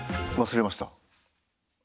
忘れました。